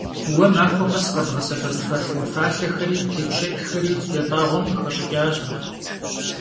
Vue maxue khes khebğesebep farfor falhexeri têpşşeçxeri yat'ağuem khıxeş'ıç'aş.